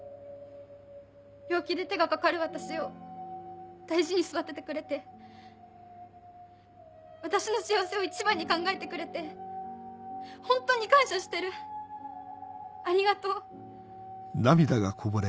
病気で手がかかる私を大事に育ててくれて私の幸せを一番に考えてくれて本当に感謝してるありがとう。